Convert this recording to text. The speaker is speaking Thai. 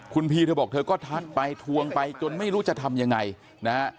คุณพีเธอบอกเธอก็ทักไปทวงไปจนไม่รู้จะทำยังไงนะฮะ